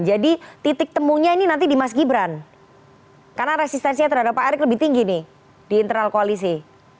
jadi titik temunya ini nanti di mas gibran karena resistensinya terhadap pak erik lebih tinggi nih di internal koalisi